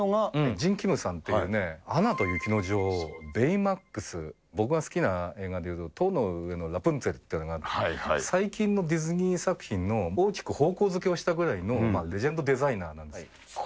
ジン・キムさんというアナと雪の女王、ベイマックス、僕が好きな映画で言うと、塔の上のラプンツェルという最近のディズニー作品の大きく方向づけをしたぐらいのビジュアルデザイナーなんです。